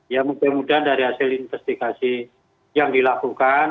ya mudah mudahan dari hasil investigasi yang dilakukan